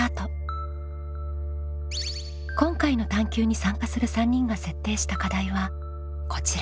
今回の探究に参加する３人が設定した課題はこちら。